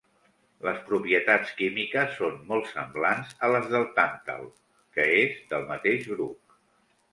Les propietats químiques són molt semblants a les del tàntal, que és del mateix grup.